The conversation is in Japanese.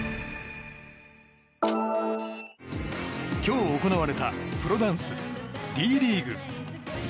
今日行われたプロダンスＤリーグ。